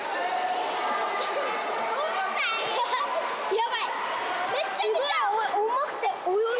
やばい。